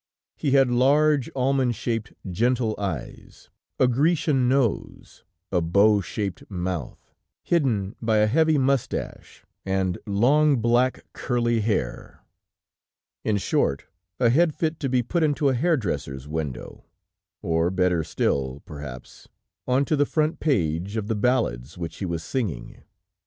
He had large, almond shaped, gentle eyes, a Grecian nose, a bow shaped mouth, hidden by a heavy moustache, and long, black, curly hair; in short, a head fit to be put into a hair dresser's window, or, better still, perhaps, onto the front page of the ballads which he was singing.